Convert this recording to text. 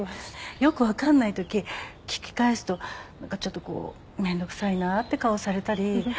よく分かんないとき聞き返すと何かちょっとこうめんどくさいなって顔されたり。